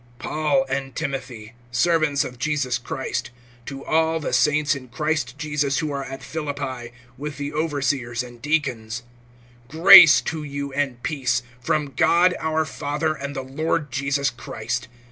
PAUL and Timothy, servants of Jesus Christ, to all the saints in Christ Jesus who are at Philippi, with the overseers[1:1] and deacons: (2)Grace to you, and peace, from God our Father and the Lord Jesus Christ.